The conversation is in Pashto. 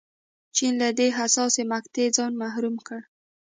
چین له دې حساسې مقطعې ځان محروم کړ.